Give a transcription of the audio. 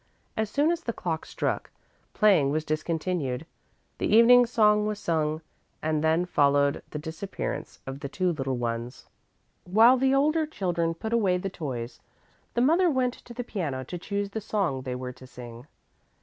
As soon as the clock struck, playing was discontinued, the evening song was sung and then followed the disappearance of the two little ones. While the older children put away the toys, the mother went to the piano to choose the song they were to sing.